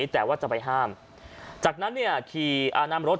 พี่บ้านไม่อยู่ว่าพี่คิดดูด